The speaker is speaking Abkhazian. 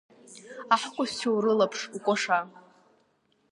Аҳкәажәцәа урылаԥш, укәаша…